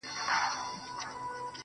لکه چي مخکي وې هغسي خو جانانه نه يې.